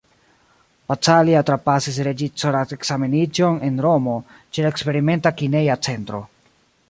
Pazzaglia trapasis reĝisoradekzameniĝon en Romo ĉe la Eksperimenta kineja centro.